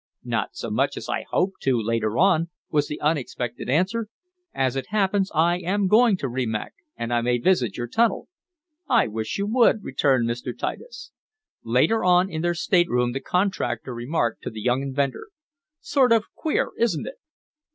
"Not so much as I hope to later on," was the unexpected answer. "As it happens I am going to Rimac, and I may visit your tunnel." "I wish you would," returned Mr. Titus. Later on, in their stateroom, the contractor remarked to the young inventor: "Sort of queer; isn't it?"